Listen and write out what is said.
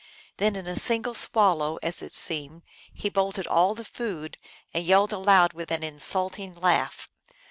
Then, in a single swallow, as it seemed, he bolted all the food, and yelled aloud with an insulting laugh.